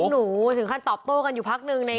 หนูถึงขั้นตอบโต้กันอยู่พักนึง